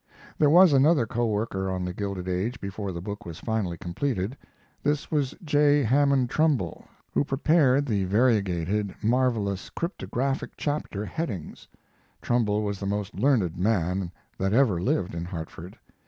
There was another co worker on The Gilded Age before the book was finally completed. This was J. Hammond Trumbull, who prepared the variegated, marvelous cryptographic chapter headings: Trumbull was the most learned man that ever lived in Hartford.